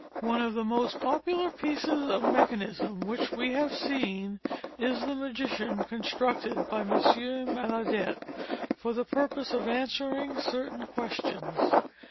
"One of the most popular pieces of mechanism which we have seen, Is the Magician constructed by M. Maillardet, for the purpose of answering certain given questions.